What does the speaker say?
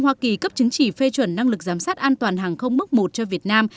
hoa kỳ cấp chứng chỉ phê chuẩn năng lực giám sát an toàn hàng không mức một cho việt nam